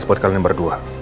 tugas buat kalian berdua